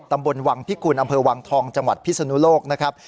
ตำบลวังพิกุลอำเภอวังทองจังหวัดพิศนุโลกนะครับ